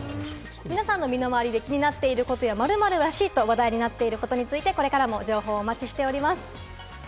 皆さんの身の回りで気になっていること、「〇〇らしい」と話題になっていることなど、これからも情報、お待ちしております。